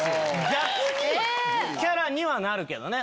逆にキャラにはなるけどね。